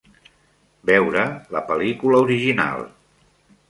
Veure la pel·lícula original.